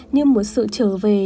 như một sự trở về